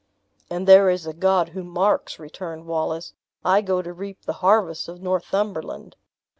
"And there is a God who marks," returned Wallace; "I go to reap the harvests of Northumberland.